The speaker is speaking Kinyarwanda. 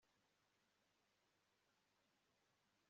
kandi kare kuruta uko wabikoze uyu munsi